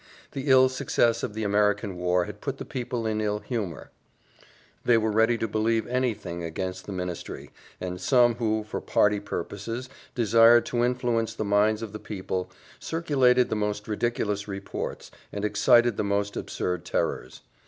The ill success of the American war had put the people in ill humour; they were ready to believe any thing against the ministry, and some who, for party purposes, desired to influence the minds of the people, circulated the most ridiculous reports, and excited the most absurd terrors.